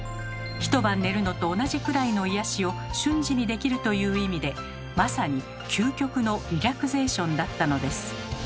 一晩寝るのと同じくらいの癒やしを瞬時にできるという意味でまさに究極のリラクゼーションだったのです。